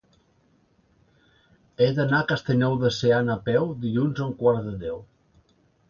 He d'anar a Castellnou de Seana a peu dilluns a un quart de deu.